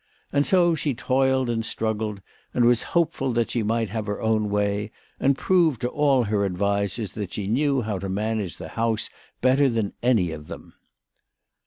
And so she toiled and struggled, and was hopeful that she might have her own way and prove to all her advisers that she knew how to manage the house better than any of them.